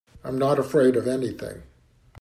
I'm not afraid of anything.